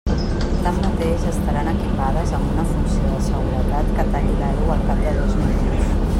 Tanmateix, estaran equipades amb una funció de seguretat que talli l'aigua al cap de dos minuts.